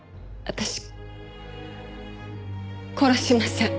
私殺しません。